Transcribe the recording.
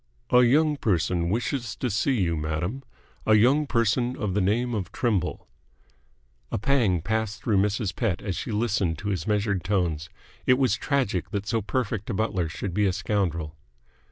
"A young person wishes to see you, madam. A young person of the name of Trimble." A pang passed through Mrs. Pett as she listened to his measured tones. It was tragic that so perfect a butler should be a scoundrel.